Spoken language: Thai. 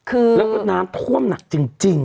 คือแล้วก็น้ำท่วมหนักจริง